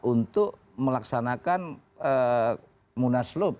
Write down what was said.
untuk melaksanakan munas lup